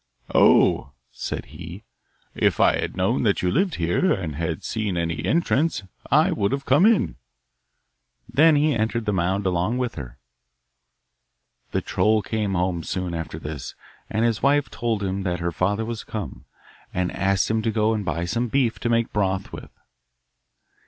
'Oh,' said he, 'if I had known that you lived here, and had seen any entrance, I would have come in.' Then he entered the mound along with her. The troll came home soon after this, and his wife told him that her father was come, and asked him to go and buy some beef to make broth with.